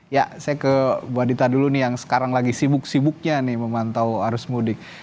ya saya ke bu adita dulu nih yang sekarang lagi sibuk sibuknya nih memantau arus mudik